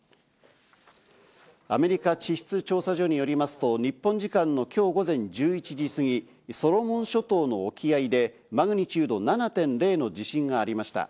アメリカ地質調査所によりますと、日本時間の今日午前１１時過ぎ、ソロモン諸島の沖合でマグニチュード７．０の地震がありました。